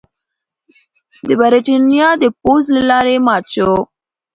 د برېټانیا د پوځ له لوري مات شو.